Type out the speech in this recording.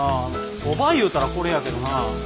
そばいうたらこれやけどな。